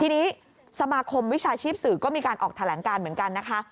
ทีนี้สมาคมวิชาชีพสื่อก็มีการออกแถลงการเหมือนกันนะคะ